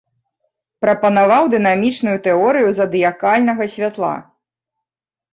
Прапанаваў дынамічную тэорыю задыякальнага святла.